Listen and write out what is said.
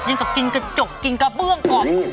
ยังเกินกินกระจกกินกระเปื้องอะไรกอบ